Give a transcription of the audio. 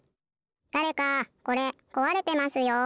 だれかこれこわれてますよ。